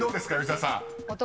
吉田さん］